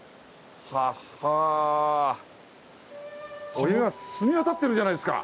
お湯が澄み渡ってるじゃないですか！